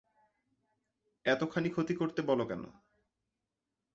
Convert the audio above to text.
এতখানি ক্ষতি করতে বল কেন?